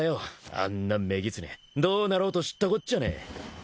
あんな女狐どうなろうと知ったこっちゃねえ。